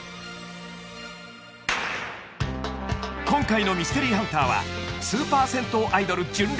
今回のミステリーハンターはスーパー銭湯アイドル純